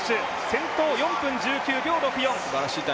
先頭、４分１９秒６４。